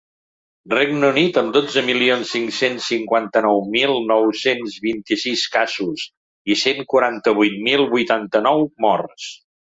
Regne Unit, amb dotze milions cinc-cents cinquanta-nou mil nou-cents vint-i-sis casos i cent quaranta-vuit mil vuitanta-nou morts.